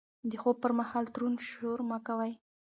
د خوب پر مهال دروند شور مه کوئ.